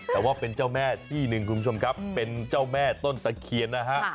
แต่ว่าเป็นเจ้าแม่ที่หนึ่งคุณผู้ชมครับเป็นเจ้าแม่ต้นตะเคียนนะฮะ